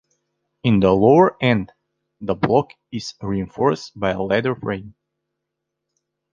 In the lower-end, the block is reinforced by a ladder frame.